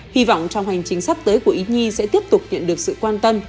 hy vọng trong hành trình sắp tới của ý nhi sẽ tiếp tục nhận được sự quan tâm